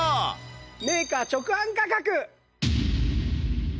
メーカー直販価格。